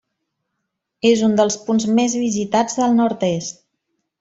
És un dels punts més visitats del Nord-est.